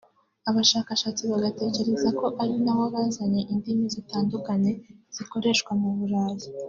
abashakashatsi bagatekereza ko ari nabo bazanye indimi zitandukanye zikoreshwa mu Burayi